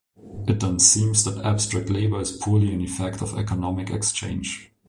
It then seems that abstract labour is purely an "effect" of economic exchange.